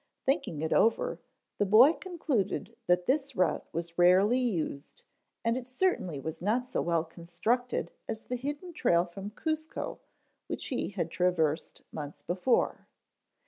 Thinking it over the boy concluded that this route was rarely used and it certainly was not so well constructed as the hidden trail from Cuzco which he had traversed months before.